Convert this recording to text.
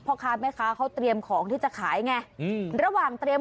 พ่อค้าแม่ค้าเขาเตรียมของที่จะขายไง